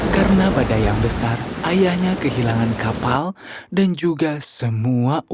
karena pada yang besar ayahnya kehidupan cantik tidak akan berubah